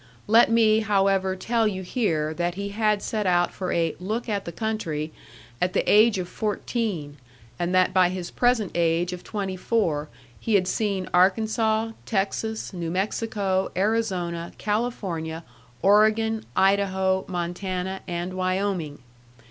Let me, however, tell you here that he had set out for a "look at the country" at the age of fourteen; and that by his present age of twenty four he had seen Arkansas, Texas, New Mexico, Arizona, California, Oregon, Idaho, Montana, and Wyoming.